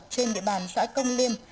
trên địa bàn xã công liêm